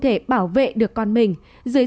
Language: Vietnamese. thể bảo vệ được con mình dưới